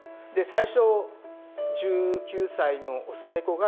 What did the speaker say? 最初１９歳の雄猫がですね